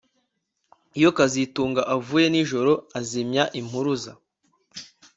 Iyo kazitunga avuye nijoro azimya impuruza